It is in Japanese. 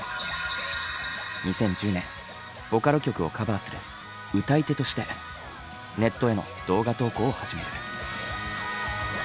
２０１０年ボカロ曲をカバーする歌い手としてネットへの動画投稿を始める。